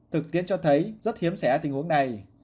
thực tiến cho thấy rất hiếm xẻ tình huống này